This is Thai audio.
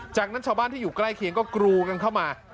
จากนั้นชาวบ้านที่อยู่ใกล้เคียงก็กรูกันเข้ามา